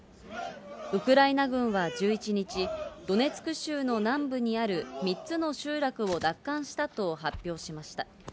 ウクライナ軍は１１日、ドネツク州の南部にある３つの集落を奪還したと発表しました。